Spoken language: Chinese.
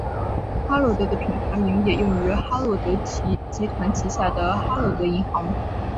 哈洛德的品牌名也用于哈洛德集团旗下的哈洛德银行。